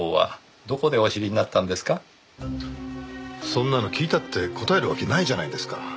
そんなの聞いたって答えるわけないじゃないですか。